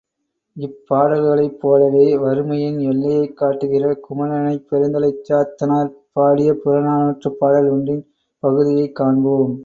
இப்பாடல்களைப் போலவே வறுமையின் எல்லையைக் காட்டுகிற குமணனைப் பெருந்தலைச் சாத்தனார் பாடிய புறநானூற்றுப் பாடல் ஒன்றின் பகுதியைக் காண்போம்.